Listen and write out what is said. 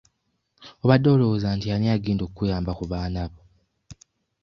Obadde olowooza nti ani agenda okukuyamba ku baana bo?